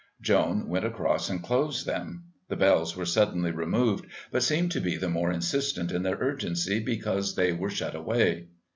Joan went across and closed them. The bells were suddenly removed, but seemed to be the more insistent in their urgency because they were shut away.